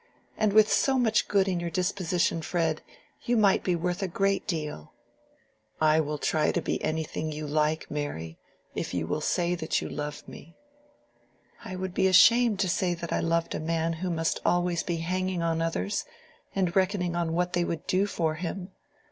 And with so much good in your disposition, Fred,—you might be worth a great deal." "I will try to be anything you like, Mary, if you will say that you love me." "I should be ashamed to say that I loved a man who must always be hanging on others, and reckoning on what they would do for him.